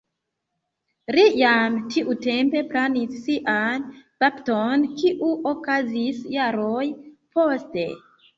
Li jam tiutempe planis sian bapton, kiu okazis jaron poste.